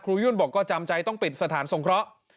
ครูยุ่นบอกก็จำใจต้องปิดสถานสงคร้า